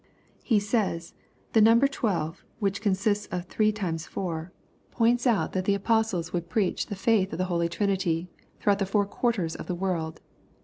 He says, "The number twelve, which consists of Ik^i e times four, points out that the apostles would preach the LUKE, CHAP VI. 175 fiuth of the Holy Trinity throughout the four quarters of the world.